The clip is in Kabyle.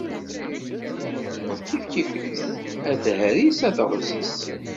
Ad t-txedmeḍ kif kif-it, a tehri-s, a teɣzi-s.